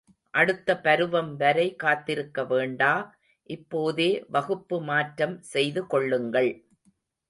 அடுத்த பருவம் வரை காத்திருக்க வேண்டா, இப்போதே வகுப்பு மாற்றம் செய்து கொள்ளுங்கள்.